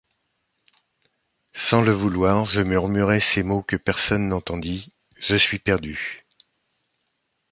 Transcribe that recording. Sans le vouloir, je murmurai ces mots que personne n’entendit :« Je suis perdu !